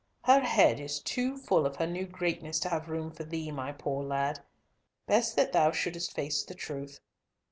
Her head is too full of her new greatness to have room for thee, my poor lad. Best that thou shouldest face the truth.